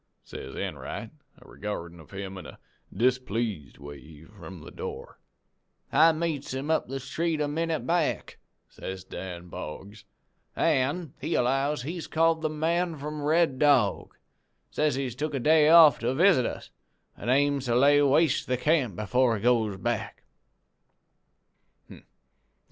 says Enright, a regardin' of him in a displeased way from the door. "'I meets him up the street a minute back,' says Dan Boggs, 'an' he allows he's called "The Man from Red Dog." He says he's took a day off to visit us, an' aims to lay waste the camp some before he goes back.'